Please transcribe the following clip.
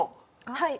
はい。